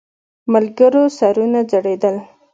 ملګرو سرونه ځړېدل.